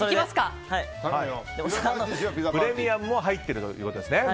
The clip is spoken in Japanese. プレミアムも入っているということですね。